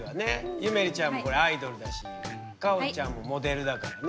ゆめりちゃんもこれアイドルだしかおちゃんもモデルだからね。